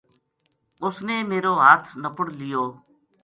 اُس نے میرو ہتھ نَپڑ لیو